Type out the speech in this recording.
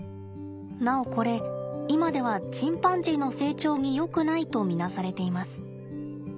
なおこれ今ではチンパンジーの成長によくないと見なされています。